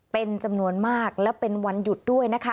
เป็นจำนวนมากและเป็นวันหยุดด้วยนะคะ